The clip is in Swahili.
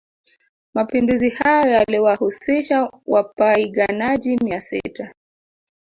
Mapinduzi hayo yaliwahusisha wapaiganaji mia sita